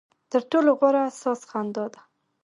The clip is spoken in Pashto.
ترټولو غوره ساز خندا ده.